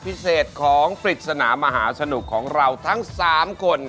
พิเศษของปริศนามหาสนุกของเราทั้ง๓คน